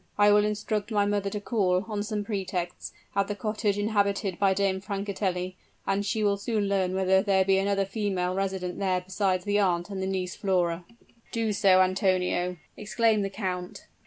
"I will instruct my mother to call, on some pretext, at the cottage inhabited by Dame Francatelli: and she will soon learn whether there be another female resident there besides the aunt and the niece Flora." "Do so, Antonio," exclaimed the count.